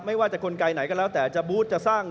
ไม่ว่าจะกลไกไหนก็แล้วแต่จะบูธจะสร้าง